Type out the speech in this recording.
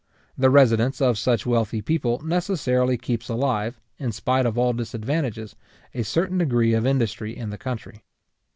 The residence of such wealthy people necessarily keeps alive, in spite of all disadvantages, a certain degree of industry in the country.